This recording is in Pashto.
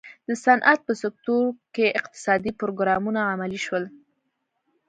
د صنعت په سکتور کې اقتصادي پروګرامونه عملي شول.